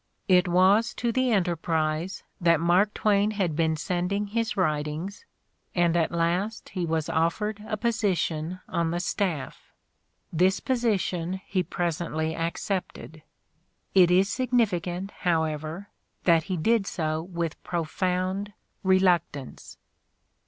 It was to the Enterprise that Mark Twain had been sending his writ ings, and at last he was offered a position on the staff. This position he presently accepted. It is significant, however, that he did so with profound reluctance.